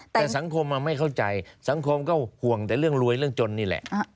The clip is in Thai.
แต่สังคมไม่เข้าใจสังคมก็ห่วงแต่เรื่องรวยเรื่องจนนี่แหละ